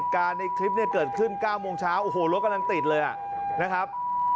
ในคลิปเนี่ยเกิดขึ้น๙โมงเช้าโอ้โหรถกำลังติดเลยนะครับ